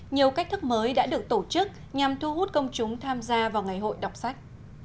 nhiều cách thức mới đã được tổ chức nhằm thu hút công chúng tham gia vào ngày hội đọc sách